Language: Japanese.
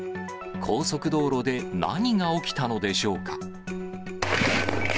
高速道路で何が起きたのでしょうか。